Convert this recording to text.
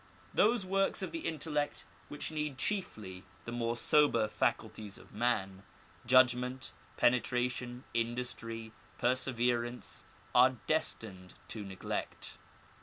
Those works of the intellect which need chiefly the more sober faculties of man, judgment, penetration, industry, perseverance, are destined to neglect.